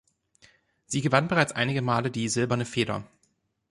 Sie gewann bereits einige Male die "Silberne Feder".